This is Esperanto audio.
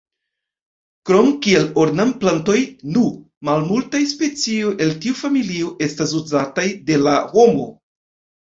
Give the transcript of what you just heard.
Krom kiel ornamplantoj nu malmultaj specioj el tiu familio estas uzataj de la homo.